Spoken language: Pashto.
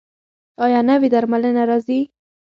ایا نوې درملنه راځي؟